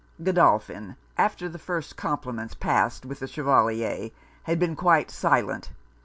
Godolphin, after the first compliments passed with the Chevalier, had been quite silent.